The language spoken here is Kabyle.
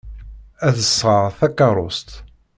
Ad d-sɣeɣ takeṛṛust.